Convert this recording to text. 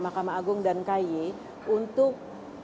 mahkamah agung dan ky untuk